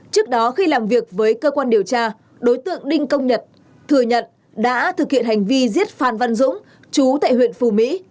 trước đó khi làm việc với cơ quan điều tra đối tượng đinh công nhật thừa nhận đã thực hiện hành vi giết phan văn dũng chú tại huyện phù mỹ